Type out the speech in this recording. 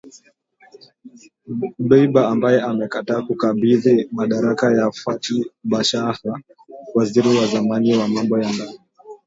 Dbeibah ambaye amekataa kukabidhi madaraka kwa Fathi Bashagha waziri wa zamani wa mambo ya ndani